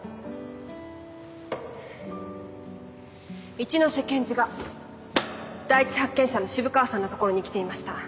一ノ瀬検事が第一発見者の渋川さんのところに来ていました。